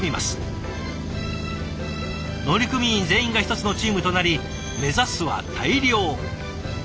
乗組員全員が１つのチームとなり目指すは大漁。